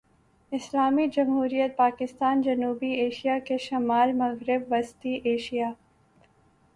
اسلامی جمہوریہ پاکستان جنوبی ایشیا کے شمال مغرب وسطی ایشیا